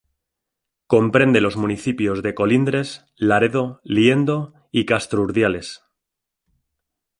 Comprende los municipios de Colindres, Laredo, Liendo y Castro Urdiales.